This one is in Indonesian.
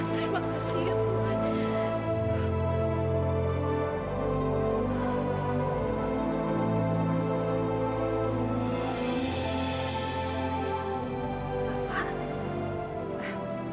terima kasih ya tuhan